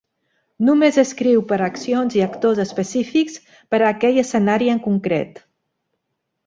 Només escriu per a accions i actors específics per a aquell escenari en concret.